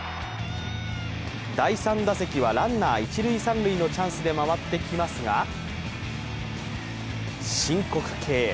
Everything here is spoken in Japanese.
第３打席はランナー、一・三塁のチャンスで回ってきますが申告敬遠。